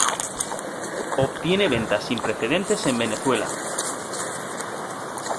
Obtiene ventas sin precedentes en Venezuela.